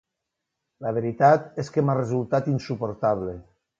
La veritat és que m'ha resultat insuportable.